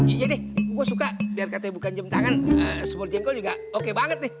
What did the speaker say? iya deh gue suka biar katanya bukan jam tangan sport jengkol juga oke banget nih